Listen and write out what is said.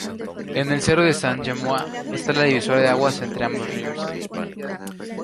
En el cerro de Sant Jaume está la divisoria de aguas entre ambos ríos.